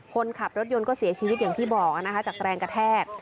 คนขับรถยนต์ก็เสียชีวิตอย่างที่บอกนะคะจากแรงกระแทก